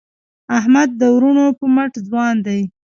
احمد د وروڼو په مټ ځوان دی.